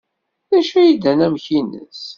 D acu ay d anamek-nnes?